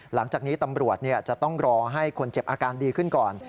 หลังจากนี้ตำรวจจะต้องรอให้คนเจ็บอาการดีขึ้นก่อน